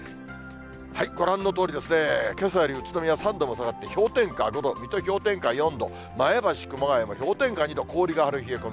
ご覧のとおりですね、けさより宇都宮、３度も下がって氷点下５度、水戸氷点下４度、前橋、熊谷も氷点下２度、氷が張る冷え込み。